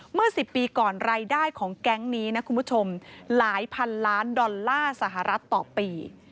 เมื่อ๑๐ปีก่อนรายได้ของแก๊งนี้นะคุณผู้ชมหลายพันล้านดอลลาร์สหรัฐต่อปี